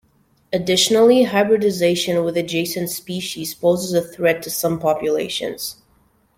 Additionally, hybridization with adjacent species poses a threat to some populations.